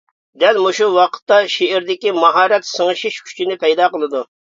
دەل مۇشۇ ۋاقىتتا شېئىردىكى ماھارەت سىڭىشىش كۈچىنى پەيدا قىلىدۇ.